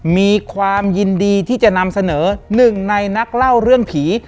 มีความยินดีที่จะนำเสนอหนึ่งในนักเล่าเรื่องผี